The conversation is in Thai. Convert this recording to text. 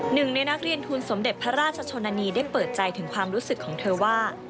หนึ่งในนักเรียนทุนสมเด็จพระราชชนนานีได้เปิดใจถึงความรู้สึกของเธอว่า